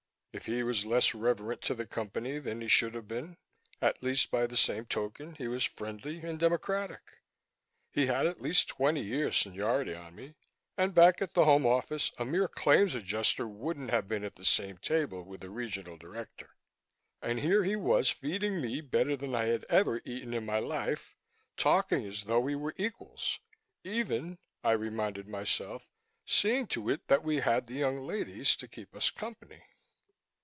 If he was less reverent to the Company than he should have been, at least by the same token he was friendly and democratic. He had at least twenty years seniority on me, and back at the Home Office a mere Claims Adjuster wouldn't have been at the same table with a Regional Director. And here he was feeding me better than I had ever eaten in my life, talking as though we were equals, even (I reminded myself) seeing to it that we had the young ladies to keep us company.